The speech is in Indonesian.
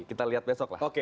kita lihat besok lah